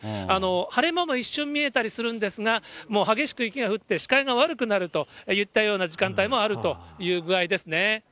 晴れ間も一瞬見えたりするんですが、もう激しく雪が降って、視界が悪くなるといったような時間帯もあるという具合ですね。